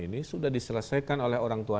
ini sudah diselesaikan oleh orang tua